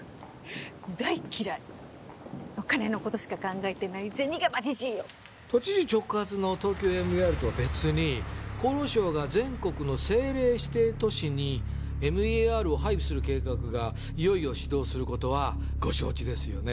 大っ嫌いお金のことしか考えてない銭ゲバジジイよ都知事直轄のＴＯＫＹＯＭＥＲとは別に厚労省が全国の政令指定都市にＭＥＲを配備する計画がいよいよ始動することはご承知ですよね？